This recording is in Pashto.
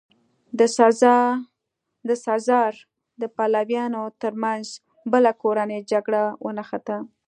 د سزار د پلویانو ترمنځ بله کورنۍ جګړه ونښته.